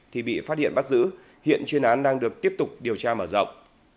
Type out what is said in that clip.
thì bị phát hiện bắt giữ hiện chuyên án đang được tiếp tục điều tra mở rộng